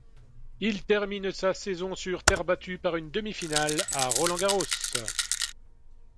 Il termine sa saison sur terre battue par une demi-finale à Roland-Garros.